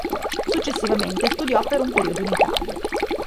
Successivamente, studiò per un periodo in Italia.